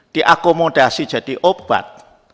diakomodasi jadi obat